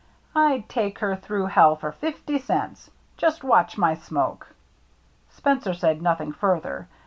" Fd take her through hell for fifty cents. Just watch my smoke." Spencer said nothing further.